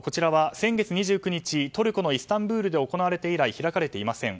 先月２９日トルコのイスタンブールで行われて以来開かれていません。